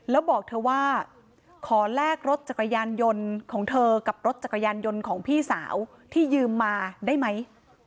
แล้วบอกเธอว่าขอแลกรถจักรยานยนต์ของเธอกับรถจักรยานยนต์ของพี่สาวที่ยืมมาได้ไหม